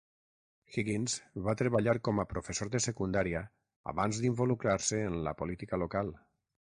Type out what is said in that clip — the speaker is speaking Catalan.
Higgins va treballar com a professor de secundària abans d'involucrar-se en la política local.